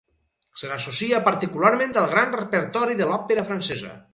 Se l'associa particularment al gran repertori de l'òpera francesa.